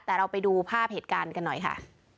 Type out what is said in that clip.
แต่เราไปดูภาพเหตุการณ์กันหน่อยค่ะ